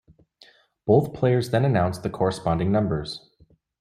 Both players then announce the corresponding numbers.